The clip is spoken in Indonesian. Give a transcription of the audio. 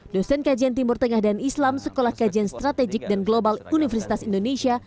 dosen kajian timur tengah dan islam sekolah kajian strategik dan global universitas indonesia